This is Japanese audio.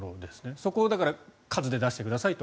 そこを数で出してくださいと。